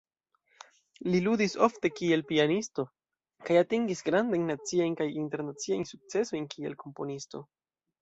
Li ludis ofte kiel pianisto kaj atingis grandajn naciajn kaj internaciajn sukcesojn kiel komponisto.